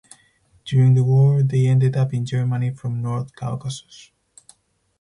During the war they ended up in Germany from North Caucasus.